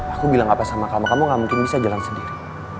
aku bilang apa sama kamu kamu gak mungkin bisa jalan sendiri